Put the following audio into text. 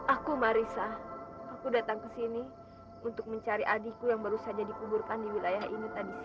aku marisa aku datang ke sini untuk mencari adikku yang baru saja dikuburkan di wilayah ini tadi